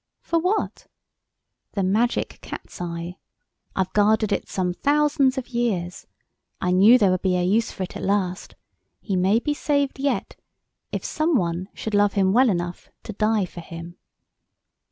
"For what?" "The Magic Cat's eye. I've guarded it some thousands of years. I knew there would be a use for it at last. He may be saved yet, if some one should love him well enough to die for him."